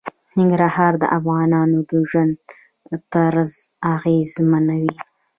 ننګرهار د افغانانو د ژوند طرز اغېزمنوي.